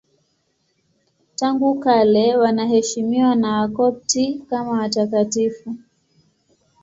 Tangu kale wanaheshimiwa na Wakopti kama watakatifu.